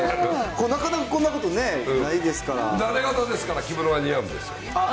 なかなかこんなことないですからなで肩ですから、着物が似合そうなんだ。